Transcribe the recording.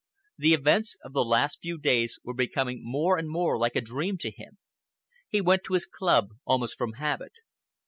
The events of the last few days were becoming more and more like a dream to him. He went to his club almost from habit.